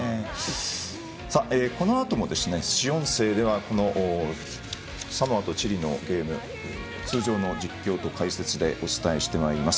このあとも主音声ではサモアとチリのゲーム通常の実況と解説でお伝えしてまいります。